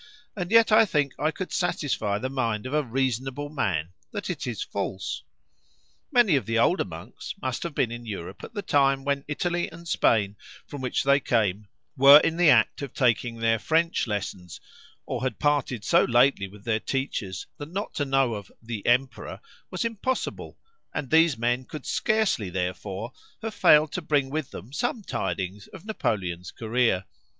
and yet I think I could satisfy the mind of a "reasonable man" that it is false. Many of the older monks must have been in Europe at the time when the Italy and the Spain from which they came were in act of taking their French lessons, or had parted so lately with their teachers, that not to know of "the Emperor" was impossible, and these men could scarcely, therefore, have failed to bring with them some tidings of Napoleon's career.